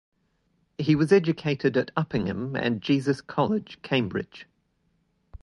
He was educated at Uppingham and Jesus College, Cambridge.